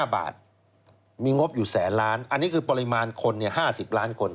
๕บาทมีงบอยู่แสนล้านอันนี้คือปริมาณคน๕๐ล้านคน